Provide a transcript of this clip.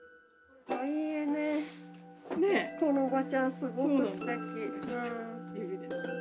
このおばちゃんすごくすてき。